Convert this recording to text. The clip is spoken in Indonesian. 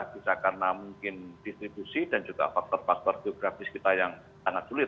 bisa karena mungkin distribusi dan juga faktor faktor geografis kita yang sangat sulit